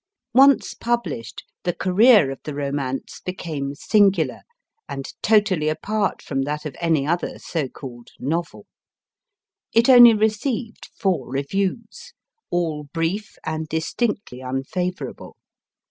Once published, the career of the Romance became singular, and totally apart from that of any other so called * novel. It only received four reviews, all brief and distinctly unfavourable.